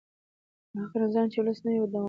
هغه نظام چې ولسي نه وي دوام نه لري